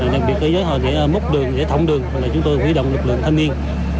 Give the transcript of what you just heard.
đặc biệt cơ giới họ để múc đường để thông đường chúng tôi huy động lực lượng thanh niên